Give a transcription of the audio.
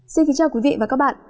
xin kính chào quý vị và các bạn